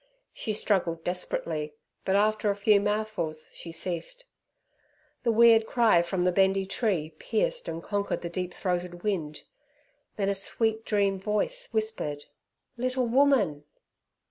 She struggled desperately, but after a few mouthfuls she ceased. The weird cry from the "Bendy Tree" pierced and conquered the deep throated wind. Then a sweet dream voice whispered "Little woman!"